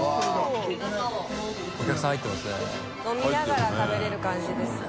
淵Εぅ飲みながら食べれる感じですね。